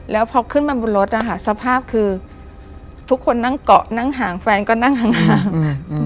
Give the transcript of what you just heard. แล้วพอขึ้นมาบนรถนะคะสภาพคือทุกคนนั่งเกาะนั่งห่างแฟนก็นั่งห่าง